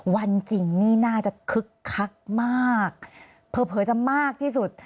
วันจริงนี่น่าจะคึกคักมากเผลอจะมากที่สุด